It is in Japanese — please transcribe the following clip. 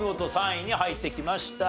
３位に入ってきました。